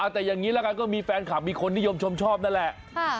แต่อย่างนี้ละกันก็มีแฟนคลับมีคนนิยมชมชอบนั่นแหละ